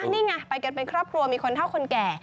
นี่ไงไปกันเป็นครอบครัวมีคนเท่าคนแก่